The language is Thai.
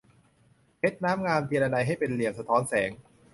เพชรน้ำงาม เจียระไนให้เป็นเหลี่ยมสะท้อนแสง